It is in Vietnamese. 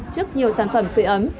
trước nhiều sản phẩm sửa ấm